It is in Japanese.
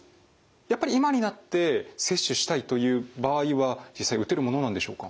やっぱり今になって接種したいという場合は実際打てるものなんでしょうか？